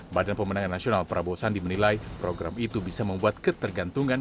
badan pemenangan nasional prabowo sandi menilai program itu bisa membuat ketergantungan